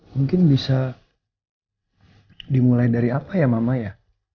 mungkin bisa dimulai dari apa ya mama ya